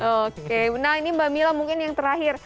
oke nah ini mbak mila mungkin yang terakhir